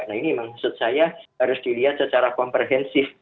nah ini maksud saya harus dilihat secara komprehensif